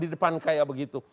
di depan kayak begitu